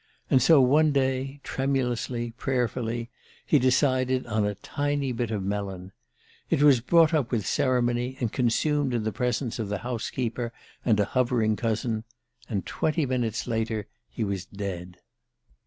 And so one day, tremulously, prayerfully, he decided on a tiny bit of melon. It was brought up with ceremony, and consumed in the presence of the house keeper and a hovering cousin; and twenty minutes later he was dead...